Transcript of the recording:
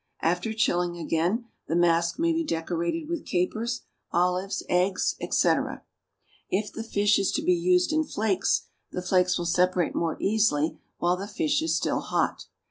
After chilling again, the mask may be decorated with capers, olives, eggs, etc. If the fish is to be used in flakes, the flakes will separate more easily while the fish is still hot.